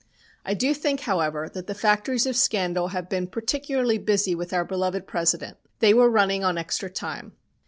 I do think, however, that the factories of scandal had been particularly busy with our beloved President. They were running on extra time.